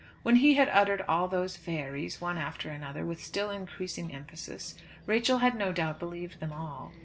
When he had uttered all those "ve rys," one after another with still increasing emphasis, Rachel had no doubt believed them all.